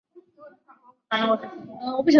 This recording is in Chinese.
生态系统只是环境系统中的一个部分。